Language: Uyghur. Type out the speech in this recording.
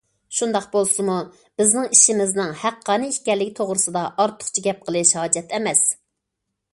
شۇنداق بولسىمۇ، بىزنىڭ ئىشىمىزنىڭ ھەققانىي ئىكەنلىكى توغرىسىدا ئارتۇقچە گەپ قىلىش ھاجەت ئەمەس.